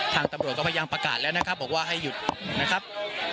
ทางตำรวจก็พยายามประกาศแล้วนะครับบอกว่าให้หยุดนะครับ